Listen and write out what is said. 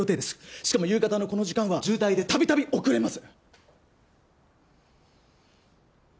しかも夕方のこの時間は渋滞で度々遅れます。